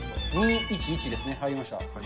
２、１、１ですね、入りました。